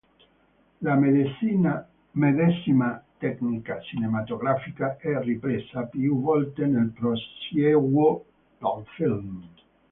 La medesima tecnica cinematografica è ripresa più volte nel prosieguo del film.